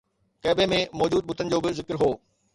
ڪعبي ۾ موجود بتن جو به ذڪر هو